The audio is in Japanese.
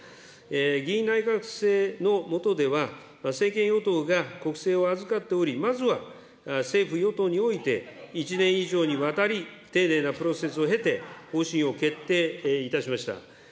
議院内閣制の下では、政権与党が国政を預かっており、まずは政府・与党において、１年以上にわたり、丁寧なプロセスを経て、方針を決定いたしました。